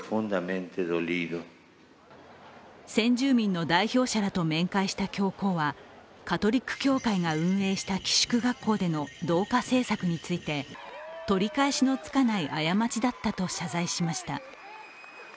先住民の代表者らと面会した教皇は、カトリック教会が運営した寄宿学校での同化政策について取り返しのつかない過ちだったと謝罪しました。